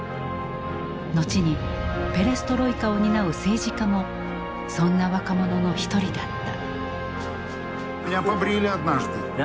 後にペレストロイカを担う政治家もそんな若者の一人だった。